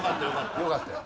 よかったよ。